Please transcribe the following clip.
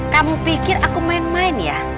kamu pikir aku main main ya